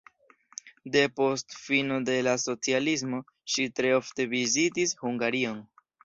Depost fino de la socialismo ŝi tre ofte vizitis Hungarion.